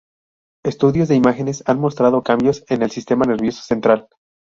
Estudios de imágenes han mostrado cambios en el sistema nervioso central.